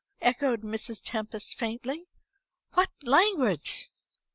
echoed Mrs. Tempest faintly, "what language!"